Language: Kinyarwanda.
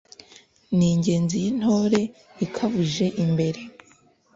n'ingenzi y'intore ikabuje imbere